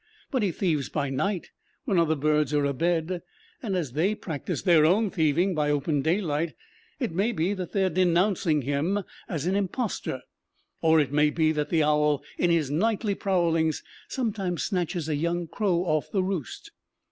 But he thieves by night when other birds are abed, and as they practise their own thieving by open daylight, it may be that they are denouncing him as an impostor. Or it may be that the owl in his nightly prowlings sometimes snatches a young crow off the roost.